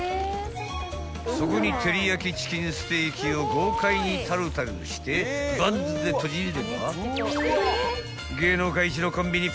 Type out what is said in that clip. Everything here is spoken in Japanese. ［そこに照焼チキンステーキを豪快にタルタルしてバンズで閉じれば］